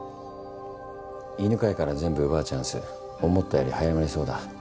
犬飼から全部奪うチャンス思ったより早まりそうだ。